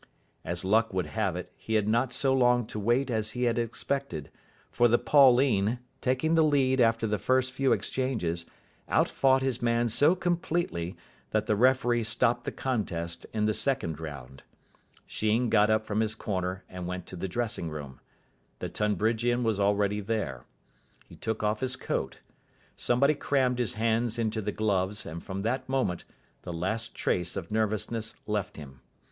As luck would have it, he had not so long to wait as he had expected, for the Pauline, taking the lead after the first few exchanges, out fought his man so completely that the referee stopped the contest in the second round. Sheen got up from his corner and went to the dressing room. The Tonbridgian was already there. He took off his coat. Somebody crammed his hands into the gloves and from that moment the last trace of nervousness left him.